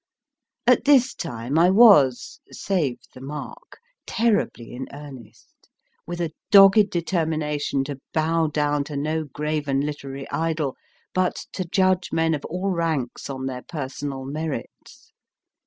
At this time, I was (save the mark !) terribly in earnest, with a dogged determination to bow down to no graven literary idol, but to judge men of all ranks on their personal merits.